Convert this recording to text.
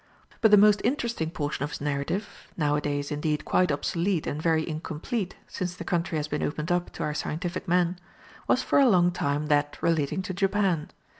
But the most interesting portion of his narrative, now a days indeed quite obsolete and very incomplete since the country has been opened up to our scientific men, was for a long time that relating to Japan.